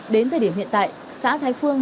đến thời điểm hiện tại xã thái phương